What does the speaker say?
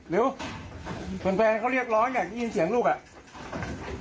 ริ้วเป็นแฟนเขาเรียกร้อนอยากยินเสียงลูกอ่ะ